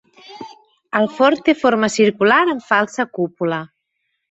El forn té forma circular amb falsa cúpula.